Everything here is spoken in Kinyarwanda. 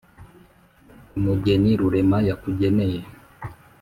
umugeni rurema yakugeneye